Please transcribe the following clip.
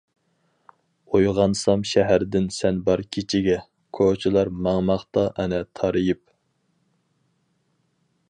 ئويغانسام شەھەردىن سەن بار كېچىگە، كوچىلار ماڭماقتا ئەنە تارىيىپ.